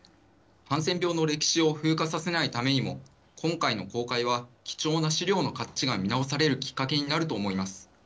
ハンセン病の歴史を風化させないためにも、今回の公開は貴重な資料の価値が見直されるきっかけになると思います。